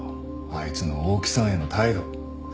あいつの大木さんへの態度。